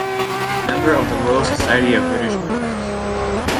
Member of the Royal Society of British Artists.